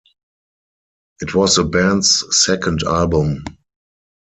It was the band's second album.